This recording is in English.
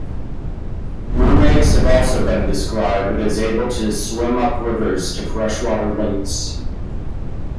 Mermaids have also been described as able to swim up rivers to freshwater lakes.